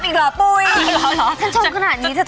แอร์โหลดแล้วคุณล่ะโหลดแล้ว